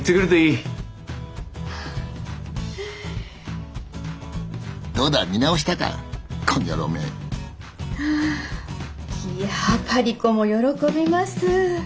いやパリ子も喜びます。